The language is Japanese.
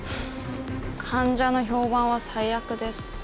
患者の評判は最悪です。